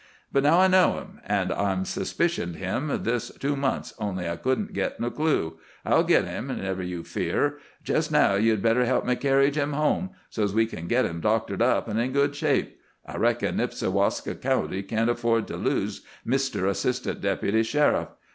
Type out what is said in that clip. But now I know him—an' I've suspicioned him this two month, only I couldn't git no clue—I'll git him, never you fear. Jest now, ye'd better help me carry Jim home, so's we kin git him doctored up in good shape. I reckon Nipsiwaska County can't afford to lose Mr. Assistant Deputy Sheriff.